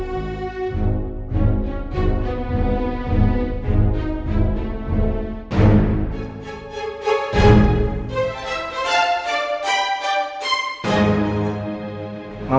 kita cantik babes